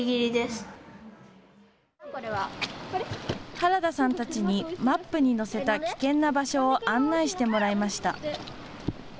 原田さんたちにマップに載せた危険な場所を案内してもらいました。